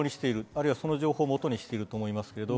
あるいはその情報をもとにしていると思いますけど。